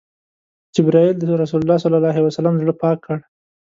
جبرئیل د رسول الله ﷺ زړه پاک کړ.